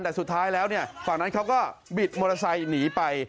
แต่สุดท้ายแล้วฝั่งนั้นเขาก็บิดมอเตอร์ไซค์หนีไป